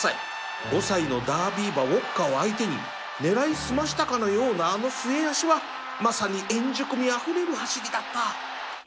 ５歳のダービー馬ウオッカを相手に狙い澄ましたかのようなあの末脚はまさに円熟味あふれる走りだった